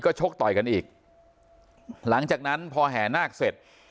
ก็ชกต่อยกันอีกหลังจากนั้นพอแห่นาคเสร็จ